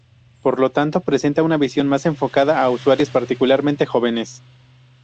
Por lo tanto, presenta una visión más enfocada a usuarios particularmente jóvenes.